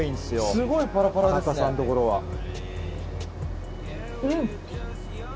すごいパラパラですね。